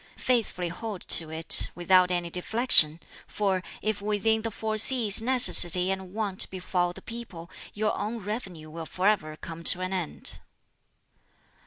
Faithfully hold to it, without any deflection; for if within the four seas necessity and want befall the people, your own revenue will forever come to an end."